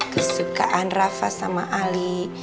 kesukaan rafa sama ali